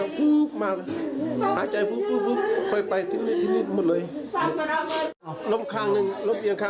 มันจะเออแกจะพูดเกรก่าวเขาคุยไม่ได้นะ